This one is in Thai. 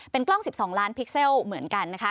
กล้อง๑๒ล้านพิกเซลเหมือนกันนะคะ